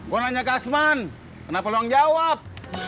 gue nanya ke asman kenapa lo yang jawab